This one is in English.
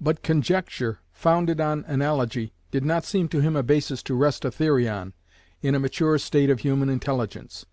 But conjecture, founded on analogy, did not seem to him a basis to rest a theory on, in a mature state of human intelligence.